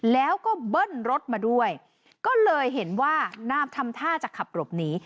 แล้วก็เบิ้ลรถมาด้วยก็เลยเห็นว่านามทำท่าจะขับหลบหนี